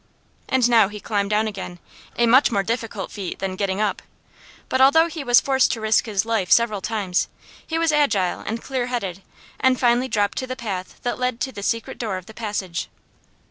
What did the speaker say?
And now he climbed down again, a much more difficult feat than getting up. But although he was forced to risk his life several times, he was agile and clear headed, and finally dropped to the path that led to the secret door of the passage.